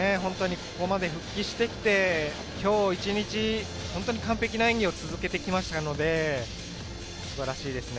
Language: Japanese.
ここまで復帰して今日一日、完璧な演技を続けてきましたので素晴らしいです。